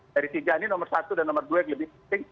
dari tiga ini nomor satu dan nomor dua yang lebih penting